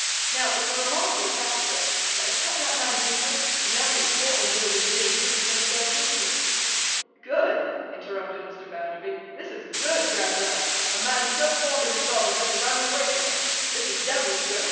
'Now, it's a remarkable fact, sir, that it cut that man deeper, to know that his daughter knew of his being goosed, than to go through with it.' 'Good!' interrupted Mr. Bounderby. 'This is good, Gradgrind! A man so fond of his daughter, that he runs away from her! This is devilish good!